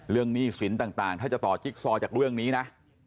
หนี้สินต่างถ้าจะต่อจิ๊กซอจากเรื่องนี้นะ